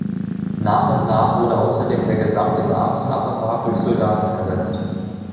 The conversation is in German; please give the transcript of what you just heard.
Nach und nach wurde außerdem der gesamte Beamtenapparat durch Soldaten ersetzt.